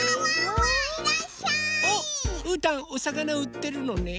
おっうーたんおさかなうってるのね。